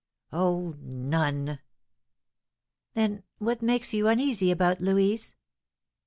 "Oh, none." "Then what makes you uneasy about Louise?"